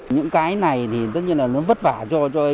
những cái này thì tất nhiên là nó vất vả cho